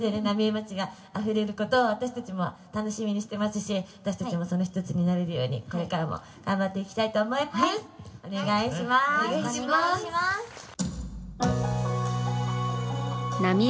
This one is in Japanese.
浪江町があふれることを私たちも楽しみにしてますし私たちもその一つになれるようにこれからも頑張っていきたいと思いますそうですね